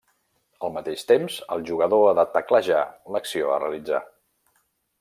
Al mateix temps, el jugador ha de teclejar l'acció a realitzar.